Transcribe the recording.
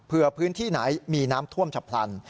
เพื่อพื้นที่ไหนมีน้ำท่วมฉับพลัน